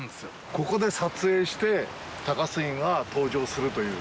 ここで撮影して、高杉が登場するという。